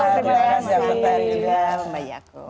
terima kasih juga mbak yaku